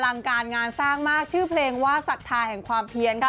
อลังการงานสร้างมากชื่อเพลงว่าศักดิ์ทายแห่งความเพี้ยน